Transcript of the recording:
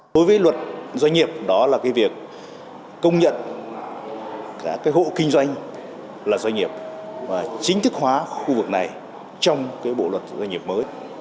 đối với luật doanh nghiệp đó là cái việc công nhận các hộ kinh doanh là doanh nghiệp và chính thức hóa khu vực này trong cái bộ luật doanh nghiệp mới